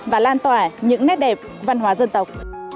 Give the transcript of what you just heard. và lan tỏa những nét đẹp văn hóa dân tộc